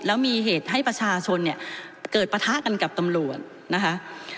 แล้วมีเหตุให้ประชาชนเนี่ยเกิดปะทะกันกับตำรวจนะคะ